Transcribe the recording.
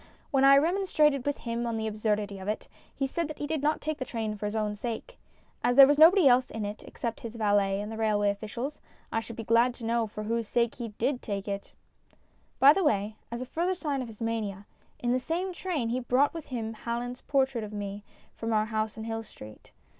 When I remonstrated with him on the absurdity of it, he said that he did not take the train for his own sake. As there was nobody else in it, except his valet and the railway officials, I should be glad to know for whose sake he did take 240 STORIES IN GREY it. By the way, as a further sign of his mania, in that same train he brought with him Hallom's portrait of me from our house in Hill Street.